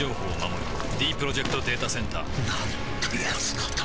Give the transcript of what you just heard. ディープロジェクト・データセンターなんてやつなんだ